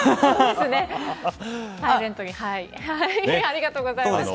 ありがとうございます。